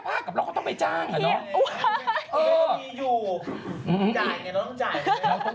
ไม่งั้ยยังงอยู่